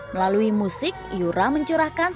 melalui musik yura mencerahkan segalanya